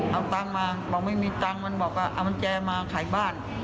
เอาเงินมาบอกไม่มีเงินมันบอกว่ามันแจงมาขายบ้าน